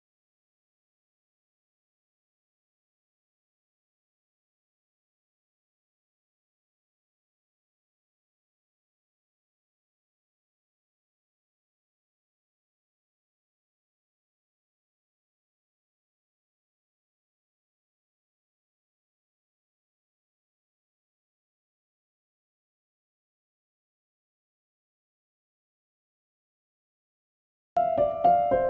สวัสดีครับ